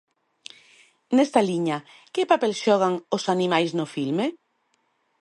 Nesta liña, que papel xogan os animais no filme?